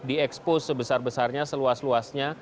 diekspos sebesar besarnya seluas luasnya